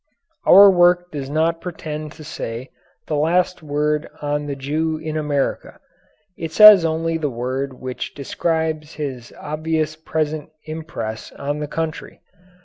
Our work does not pretend to say the last word on the Jew in America. It says only the word which describes his obvious present impress on the country.